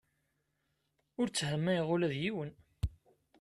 Ur tthamayeɣ ula d yiwen.